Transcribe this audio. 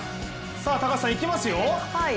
高橋さん、いきますよ。